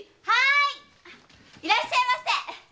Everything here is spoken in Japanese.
いらっしゃいませ。